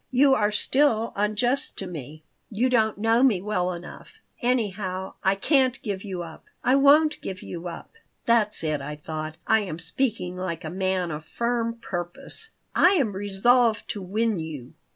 You are still unjust to me. You don't know me well enough. Anyhow, I can't give you up. I won't give you up. ("That's it," I thought. "I am speaking like a man of firm purpose.") "I am resolved to win you."